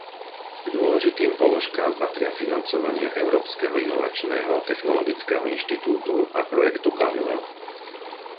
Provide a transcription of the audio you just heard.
K dôležitým položkám patria financovanie Európskeho inovačného a technologického inštitútu a projektu Galileo.